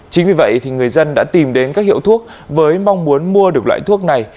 chính vì vậy người dân đã tìm đến các hiệu thuốc với mong muốn mua được loại thuốc này